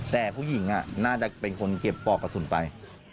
แต่ผู้หญิงน่าจะเป็นคนเก็บปอกกระสุนไป